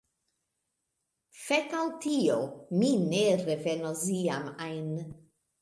Fek al tio, mi ne revenos iam ajn!